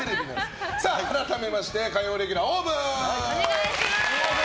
改めまして火曜レギュラー、ＯＷＶ！